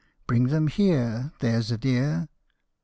Bring them here, there's a dear.